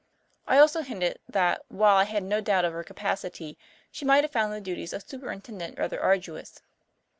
I also hinted that, while I had no doubt of her capacity, she might have found the duties of superintendent rather arduous.